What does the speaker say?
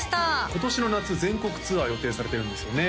今年の夏全国ツアー予定されているんですよね？